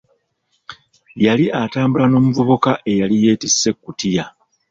Yali atambula n'omuvubuka eyali yettisse ekutiya.